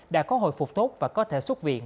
đã có hồi phục tốt và có thể xuất viện